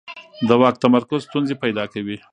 د واک تمرکز ستونزې پیدا کوي